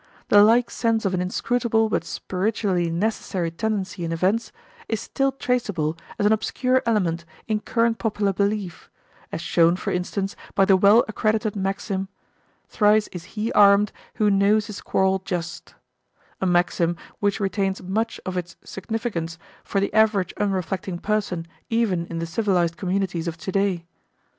The like sense of an inscrutable but spiritually necessary tendency in events is still traceable as an obscure element in current popular belief, as shown, for instance, by the well accredited maxim, "Thrice is he armed who knows his quarrel just," a maxim which retains much of its significance for the average unreflecting person even in the civilized communities of today.